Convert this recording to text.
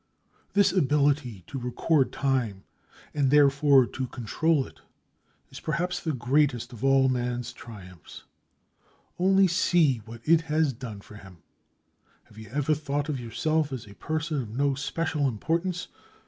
This ability to record time and therefore, to control it, is perhaps the greatest of all man's triumphs. Only see what it has done for him! Have you ever thought of yourself as a person of no special importance?